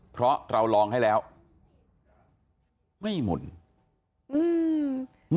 เพราะเราลองให้แล้วไม่หมุนอืม